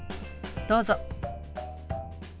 どうぞ。